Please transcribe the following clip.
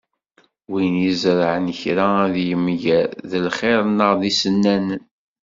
Win izerεen kra ad t-yemger, d lxir neɣ d isennanan.